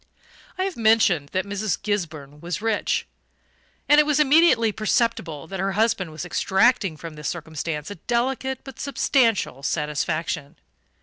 I have mentioned that Mrs. Gisburn was rich; and it was immediately perceptible that her husband was extracting from this circumstance a delicate but substantial satisfaction.